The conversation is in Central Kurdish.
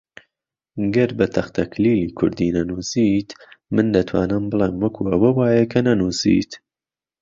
گەر بە تەختەکلیلی کوردی نەنووسیت، من دەتوانم بڵێم وەکو ئەوە وایە کە نەنووسیت